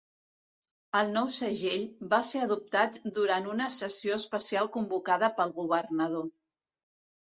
El nou segell va ser adoptat durant una sessió especial convocada pel Governador.